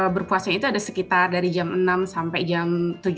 berpuasanya itu ada sekitar dari jam enam sampai jam tujuh tiga puluh